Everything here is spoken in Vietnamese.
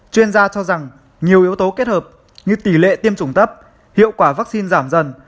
chuyên gia cho rằng nhiều yếu tố kết hợp như tỷ lệ tiêm chủng thấp hiệu quả vaccine giảm dần